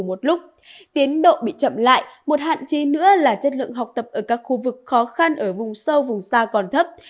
một lúc tiến độ bị chậm lại một hạn chế nữa là chất lượng học tập ở các khu vực khó khăn ở vùng sâu vùng xa còn thấp